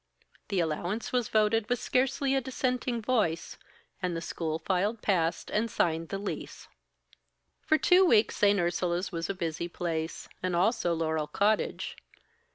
The allowance was voted with scarcely a dissenting voice, and the school filed past and signed the lease. For two weeks St. Ursula's was a busy place and also Laurel Cottage.